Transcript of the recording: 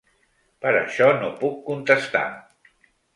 Per això no puc contestar.